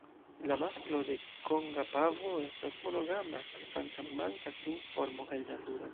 La masklo de Konga pavo estas monogama, kvankam mankas informo el naturo.